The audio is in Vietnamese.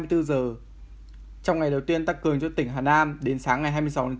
trong ngày đầu tiên tăng cường cho tỉnh hà nam đến sáng ngày hai mươi sáu tháng chín